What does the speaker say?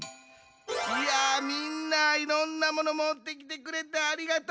いやみんないろんなモノもってきてくれてありがとう。